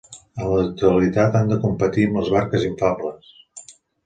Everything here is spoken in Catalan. En l’actualitat han de competir amb les barques inflables.